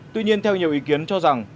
tuy nhiên theo nhiều ý kiến cho rằng